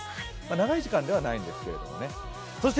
長い時間ではないんですけどね。